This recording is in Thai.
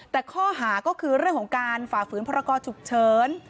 แต่ข้อหาก็คือเรื่องของการฝ่าฝืนพรกรฉุกเฉิน